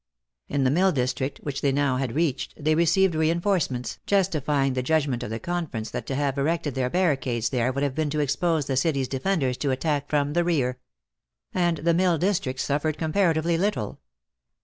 In the mill district, which they had now reached, they received reenforcements, justifying the judgment of the conference that to have erected their barricades there would have been to expose the city's defenders to attack from the rear. And the mill district suffered comparatively little.